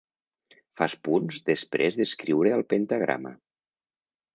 Fas punts després d'escriure al pentagrama.